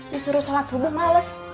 disuruh sholat subuh males